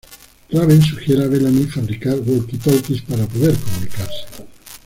Raven sugiere a Bellamy fabricar walkie-talkies para poder comunicarse.